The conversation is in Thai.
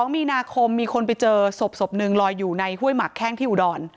มีนาคมมีคนไปเจอศพหนึ่งลอยอยู่ในห้วยหมักแข้งที่อุดร